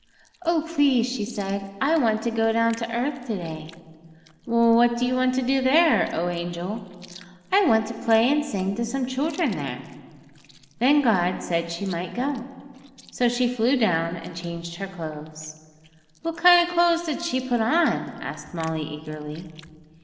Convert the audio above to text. '"Oh, please," she said, "I want to go down to earth to day." '"What do you want to do there, O angel?" '"I want to play and sing to some children there." 'Then God said she might go. So she flew down and changed her clothes ' 'What kind of clothes did she put on?' asked Molly eagerly.